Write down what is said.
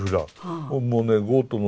もうねゴートのね